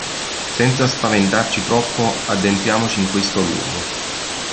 Senza spaventarci troppo, addentriamoci in questo luogo!